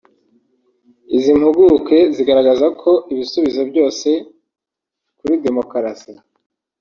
Izi mpuguke zigaragaza ko ibisubizo byose kuri Demokarasi